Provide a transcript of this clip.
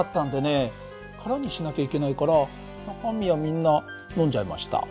空にしなきゃいけないから中身はみんな飲んじゃいました。